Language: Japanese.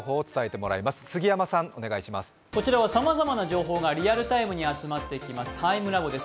こちらはさまざまな情報がリアルタイムに集まってきますＴＩＭＥＬＡＢＯです。